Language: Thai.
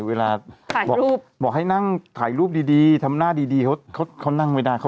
เวลาบอกให้นั่งถ่ายรูปดีทำหน้าดีเขานั่งไม่ได้เขา